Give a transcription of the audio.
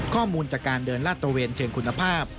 ข้อมูลจากการเดินลาดตระเวนเชิงคุณภาพ